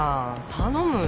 頼むよ。